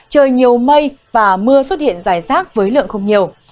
trời nhiều mây và mưa xuất hiện dài rác với lượng không nhiều